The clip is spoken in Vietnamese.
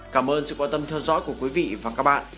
cảm ơn sự quan tâm theo dõi của quý vị và các bạn